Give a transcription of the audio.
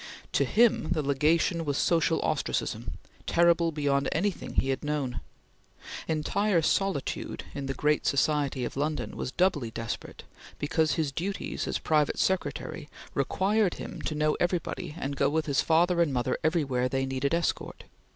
To him, the Legation was social ostracism, terrible beyond anything he had known. Entire solitude in the great society of London was doubly desperate because his duties as private secretary required him to know everybody and go with his father and mother everywhere they needed escort.